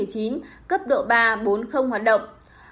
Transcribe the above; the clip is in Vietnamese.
cấp độ ba bốn không hoạt động